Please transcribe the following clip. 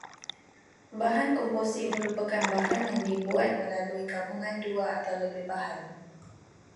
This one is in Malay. Bahan komposit merupakan bahan yang dibuat melalui gabungan dua atau lebih bahan